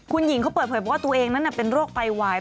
คุณหญิงเขาเปิดเผยบอกว่าตัวเองนั้นเป็นโรคไตวาย